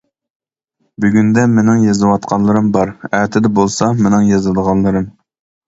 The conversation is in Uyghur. بۈگۈندە مېنىڭ يېزىۋاتقانلىرىم بار، ئەتىدە بولسا مېنىڭ يازىدىغانلىرىم.